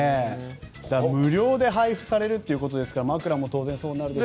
無料で配布されるということなので枕も当然そうなるでしょうし。